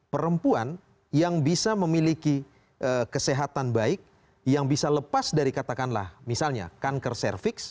perempuan yang bisa memiliki kesehatan baik yang bisa lepas dari katakanlah misalnya kanker cervix